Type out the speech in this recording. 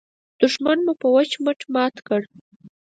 دوښمن مو په وچ مټ مات کړ.